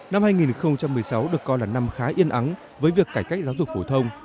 năm hai nghìn một mươi sáu được coi là năm khá yên ắng với việc cải cách giáo dục phổ thông